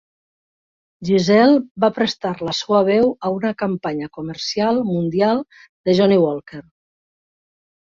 Gisele va prestar la seva veu a una campanya comercial mundial de Johnnie Walker.